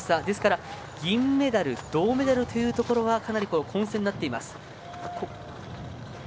ですから銀メダル、銅メダルはかなり混戦になっています。